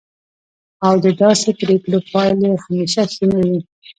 او د داسې پریکړو پایلې همیشه ښې نه وي.